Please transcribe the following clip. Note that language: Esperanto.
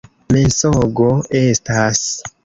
Mensogo estas!